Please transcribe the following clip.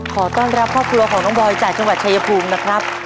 ขอต้อนรับครอบครัวของน้องบอยจากจังหวัดชายภูมินะครับ